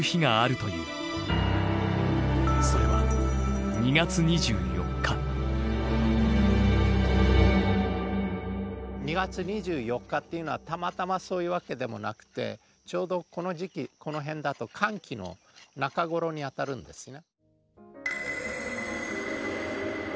それは２月２４日っていうのはたまたまそういうわけでもなくてちょうどこの時期この辺だと乾季の中頃にあたるんですね。